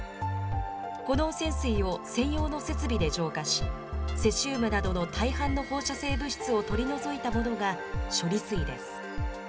この汚染水を専用の設備で浄化し、セシウムなどの大半の放射性物質を取り除いたものが、処理水です。